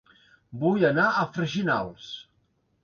Vull anar a Freginals